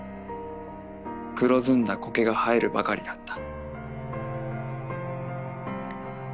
黒ずんだ苔が生えるばかりだった」。